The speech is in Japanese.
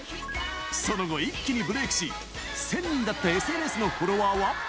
その後、一気にブレークし、１０００人だったＳＮＳのフォロワーは。